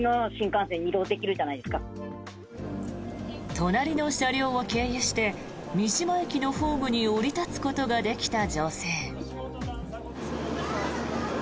隣の車両を経由して三島駅のホームに降り立つことができた女性。